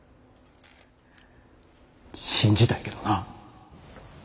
信じたいけどな。